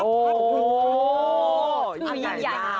อันไหน